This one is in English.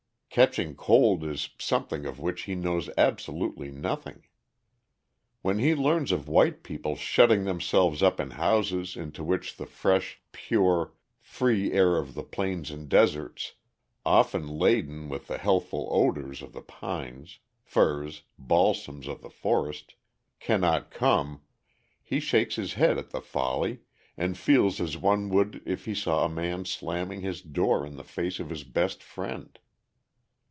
"Catching cold" is a something of which he knows absolutely nothing. When he learns of white people shutting themselves up in houses into which the fresh, pure, free air of the plains and deserts, often laden with the healthful odors of the pines, firs, balsams of the forest, cannot come, he shakes his head at the folly, and feels as one would if he saw a man slamming his door in the face of his best friend.